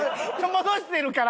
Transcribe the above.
戻してるから。